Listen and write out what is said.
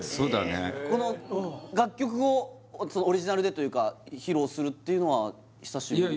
この楽曲をオリジナルでというか披露するっていうのは久しぶり？